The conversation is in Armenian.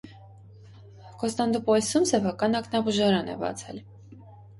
Կ. Պոլսում սեփական ակնաբուժարան է բացել։